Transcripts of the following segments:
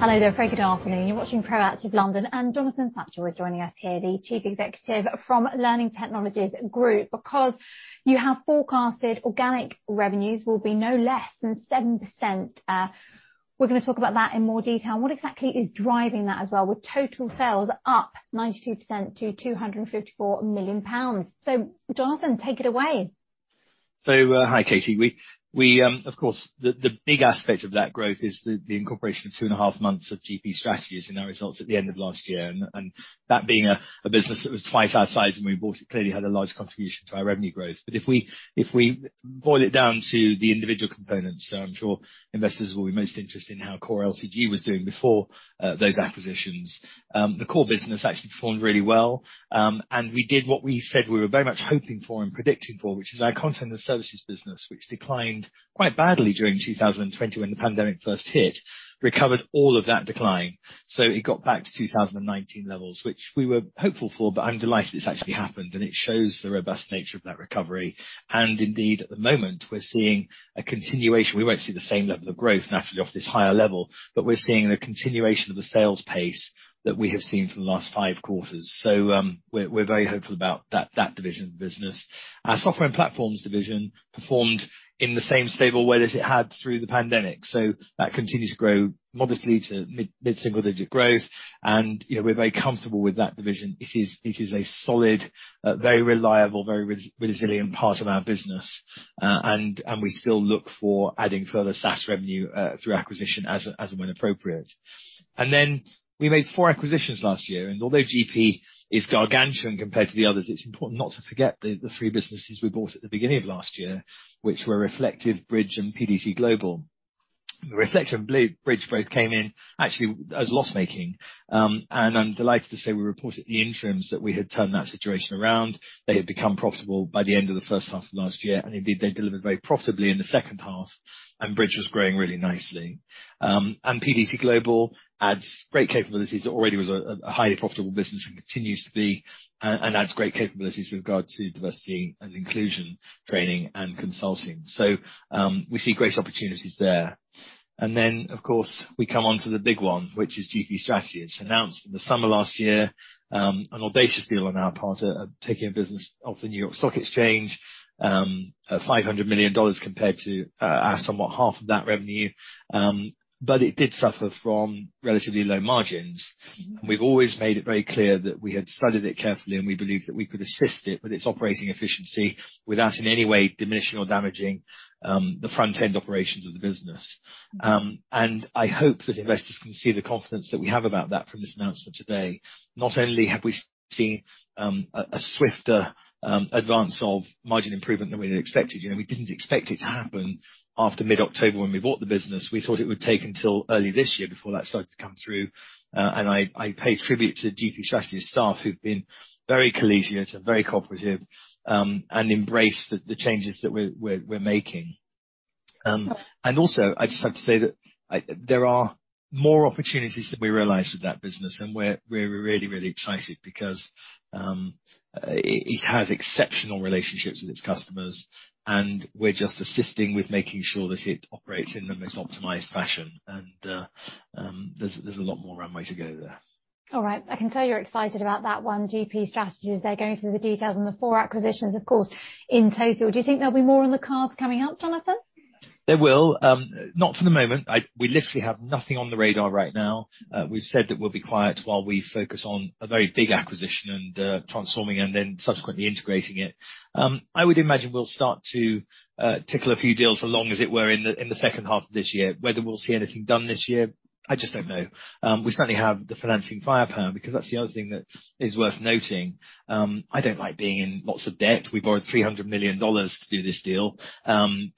Hello there. Very good afternoon. You're watching Proactive London, and Jonathan Satchell is joining us here, the Chief Executive from Learning Technologies Group. Because you have forecasted organic revenues will be no less than 7%. We're gonna talk about that in more detail. What exactly is driving that as well, with total sales up 92% to 254 million pounds? Jonathan, take it away. Hi, Katie. We Of course, the big aspect of that growth is the incorporation of 2.5 months of GP Strategies in our results at the end of last year, and that being a business that was twice our size when we bought it, clearly had a large contribution to our revenue growth. If we boil it down to the individual components, I'm sure investors will be most interested in how core LTG was doing before those acquisitions. The core business actually performed really well. We did what we said we were very much hoping for and predicting for, which is our Content & Services business, which declined quite badly during 2020 when the pandemic first hit, recovered all of that decline. It got back to 2019 levels, which we were hopeful for, but I'm delighted it's actually happened, and it shows the robust nature of that recovery. Indeed, at the moment, we're seeing a continuation. We won't see the same level of growth naturally off this higher level, but we're seeing the continuation of the sales pace that we have seen for the last five quarters. We're very hopeful about that division of the business. Our Software & Platforms division performed in the same stable way as it had through the pandemic, so that continued to grow modestly to mid-single-digit growth. We're very comfortable with that division. It is a solid, very reliable, very resilient part of our business. We still look for adding further SaaS revenue through acquisition as and when appropriate. We made four acquisitions last year, although GP is gargantuan compared to the others, it's important not to forget the three businesses we bought at the beginning of last year, which were Reflektive, Bridge, and PDT Global. Reflektive, Bridge both came in actually as loss-making. I'm delighted to say we reported at the interims that we had turned that situation around. They had become profitable by the end of the first half of last year, and indeed, they delivered very profitably in the second half, and Bridge was growing really nicely. PDT Global adds great capabilities. It already was a highly profitable business and continues to be, and adds great capabilities with regard to diversity and inclusion training and consulting. We see great opportunities there. Of course, we come on to the big one, which is GP Strategies, announced in the summer of last year, an audacious deal on our part of taking a business off the New York Stock Exchange at $500 million compared to our somewhat half of that revenue. It did suffer from relatively low margins. We've always made it very clear that we had studied it carefully, and we believed that we could assist it with its operating efficiency without in any way diminishing or damaging the front end operations of the business. I hope that investors can see the confidence that we have about that from this announcement today. Not only have we seen a swifter advance of margin improvement than we had expected. We didn't expect it to happen after mid-October when we bought the business. We thought it would take until early this year before that started to come through. I pay tribute to the GP Strategies staff who've been very collegiate and very cooperative and embrace the changes that we're making. I just have to say that there are more opportunities than we realized with that business, and we're really excited because it has exceptional relationships with its customers, and we're just assisting with making sure that it operates in the most optimized fashion. There's a lot more runway to go there. All right. I can tell you're excited about that one, GP Strategies. They're going through the details and the four acquisitions, of course, in total. Do you think there'll be more on the cards coming up, Jonathan? There will. Not for the moment. We literally have nothing on the radar right now. We've said that we'll be quiet while we focus on a very big acquisition and transforming and then subsequently integrating it. I would imagine we'll start to tickle a few deals along, as it were, in the second half of this year. Whether we'll see anything done this year, I just don't know. We certainly have the financing firepower because that's the other thing that is worth noting. I don't like being in lots of debt. We borrowed $300 million to do this deal. I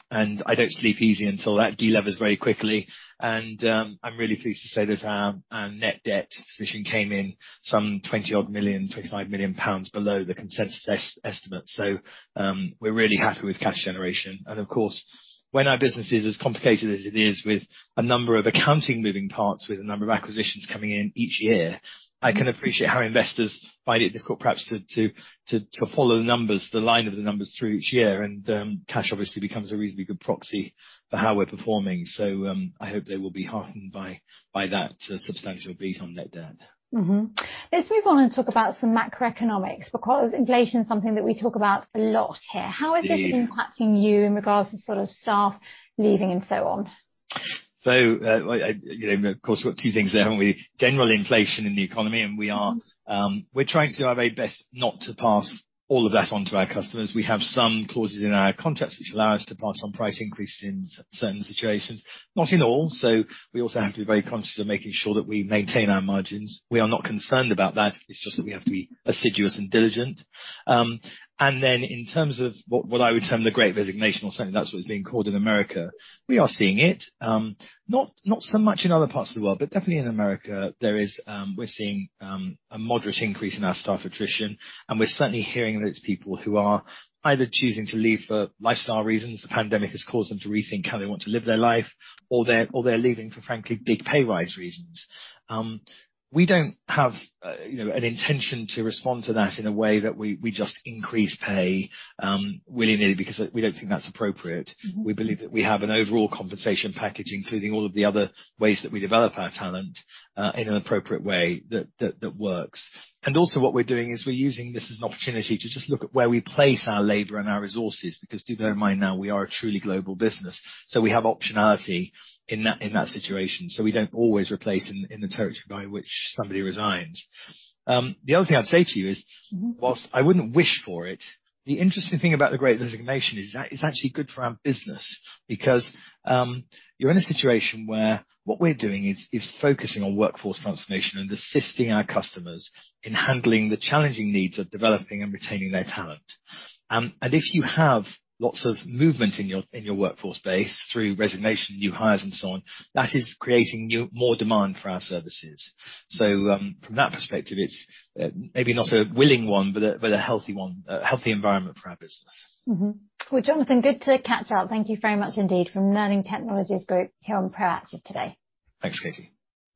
don't sleep easy until that delevers very quickly. I'm really pleased to say that our net debt position came in some 20-odd million, 25 million pounds below the consensus estimate. We're really happy with cash generation. Of course, when our business is as complicated as it is, with a number of accounting moving parts, with a number of acquisitions coming in each year. I can appreciate how investors find it difficult perhaps to follow the numbers, the line of the numbers through each year. Cash obviously becomes a reasonably good proxy for how we're performing. I hope they will be heartened by that substantial beat on net debt. Let's move on and talk about some macroeconomics, because inflation is something that we talk about a lot here. It is. How is this impacting you in regards to sort of staff leaving and so on? You know, of course, we got two things there, haven't we? General inflation in the economy, and we are- We're trying to do our very best not to pass all of that on to our customers. We have some clauses in our contracts which allow us to pass on price increases in certain situations, not in all. We also have to be very conscious of making sure that we maintain our margins. We are not concerned about that. It's just that we have to be assiduous and diligent. In terms of what I would term the Great Resignation or something, that's what it's being called in America, we are seeing it, not so much in other parts of the world, but definitely in America, there is. We're seeing a moderate increase in our staff attrition, and we're certainly hearing that it's people who are either choosing to leave for lifestyle reasons, the pandemic has caused them to rethink how they want to live their life, or they're leaving for, frankly, big pay raise reasons. We don't have you know an intention to respond to that in a way that we just increase pay willy-nilly because we don't think that's appropriate. We believe that we have an overall compensation package, including all of the other ways that we develop our talent, in an appropriate way that works. What we're doing is we're using this as an opportunity to just look at where we place our labor and our resources, because do bear in mind now, we are a truly global business, so we have optionality in that situation. We don't always replace in the territory by which somebody resigns. The other thing I'd say to you is- While I wouldn't wish for it, the interesting thing about the Great Resignation is that it's actually good for our business because you're in a situation where what we're doing is focusing on workforce transformation and assisting our customers in handling the challenging needs of developing and retaining their talent. If you have lots of movement in your workforce base through resignation, new hires, and so on, that is creating more demand for our services. From that perspective, it's maybe not a willing one, but a healthy one, a healthy environment for our business. Well, Jonathan, good to catch up. Thank you very much indeed. From Learning Technologies Group here on Proactive today. Thanks, Katie.